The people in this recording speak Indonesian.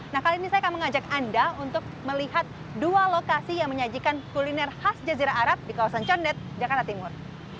nah kali ini saya akan mengajak anda untuk melihat dua lokasi yang menyajikan kuliner khas jazirah arab di kawasan condet jakarta timur